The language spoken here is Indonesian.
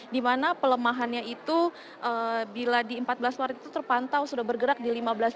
di mana pelemahannya itu bila di empat belas maret itu terpantau sudah bergerak di lima belas